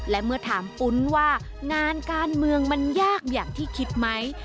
และเมื่อถามปุ้นว่างานการเมืองมันยากอย่างที่คิดไหม